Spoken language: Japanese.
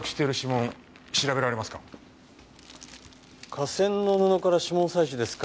化繊の布から指紋採取ですか？